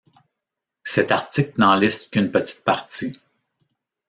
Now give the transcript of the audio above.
Cet article n'en liste qu'une petite partie.